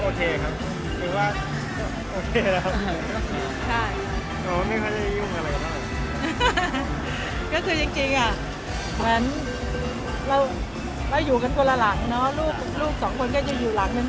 ก็คือจริงเหมือนเราอยู่กันคนละหลังเนอะลูกสองคนก็จะอยู่หลังนึง